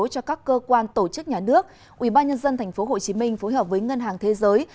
cho các cơ quan tổ chức nhà nước ubnd tp hcm phối hợp với ngân hàng thế giới